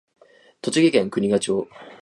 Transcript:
栃木県芳賀町